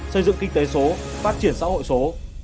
xây dựng kinh tế số phát triển xã hội số